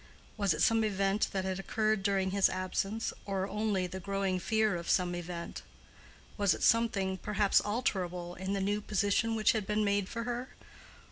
Was it some event that had occurred during his absence, or only the growing fear of some event? Was it something, perhaps alterable, in the new position which had been made for her?